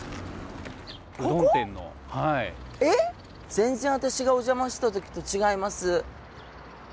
全然私がお邪魔した時と違います。